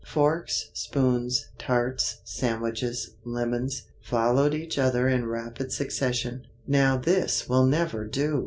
Forks, spoons, tarts, sandwiches, lemons, followed each other in rapid succession. "Now this will never do!"